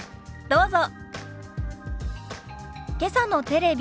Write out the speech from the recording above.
どうぞ。